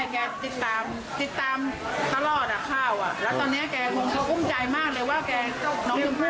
แล้วตอนนี้แกคงอุ้มใจมากเลยว่าน้องชมพู่แกไม่รู้ไง